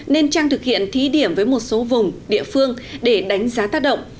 nên trang thực hiện thí điểm với một số vùng địa phương để đánh giá tác động